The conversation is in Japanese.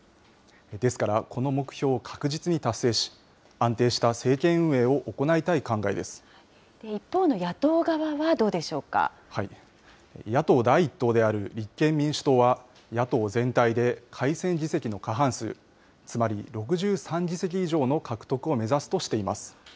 ですから、この目標を確実に達成し、安定した政権運営を行いたい一方の野党側はどうでしょう野党第１党である立憲民主党は、野党全体で改選議席の過半数、つまり６３議席以上の獲得を目指すとしています。